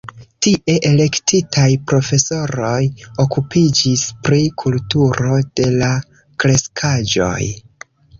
Tie elektitaj profesoroj okupiĝis pri kulturo de la kreskaĵoj.